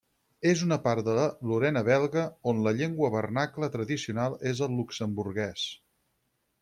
És una part de la Lorena belga on la llengua vernacla tradicional és el luxemburguès.